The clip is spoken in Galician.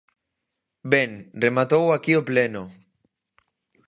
Ben, rematou aquí o Pleno.